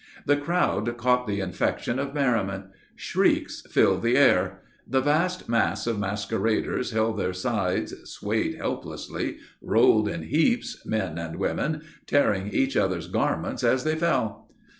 The crowd caught the infection of merriment. Shrieks filled the air. The vast mass of masqueraders held their sides, swayed helplessly, rolled in heaps, men and women, tearing each other's garments as they fell.